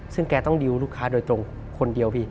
ซึ่งแกต้องดิวลูกค้าโดยตรงคนเดียวพี่